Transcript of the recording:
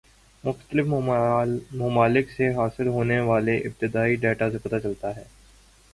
مختلف ممالک سے حاصل ہونے والے ابتدائی دیتا سے پتہ چلتا ہے